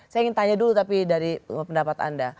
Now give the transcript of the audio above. saya ingin tanya dulu tapi dari pendapat anda